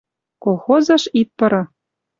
— Колхозыш ит пыры